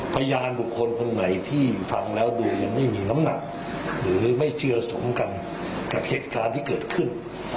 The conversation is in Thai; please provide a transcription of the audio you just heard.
พยานบุคคลคนไหนที่ทำแล้วโดยไม่มีน้ำหนักหรือไม่เจือสมกันกับเหตุการณ์ที่เกิดขึ้น